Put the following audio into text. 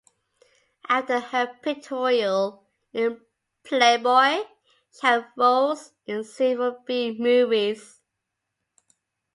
After her pictorial in "Playboy", she had roles in several B movies.